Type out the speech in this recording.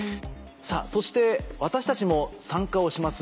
そして私たちも参加をします